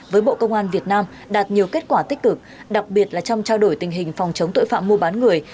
với bộ công an việt nam đạt nhiều kết quả tích cực đặc biệt là trong trao đổi tình hình phòng chống tội phạm mua bán người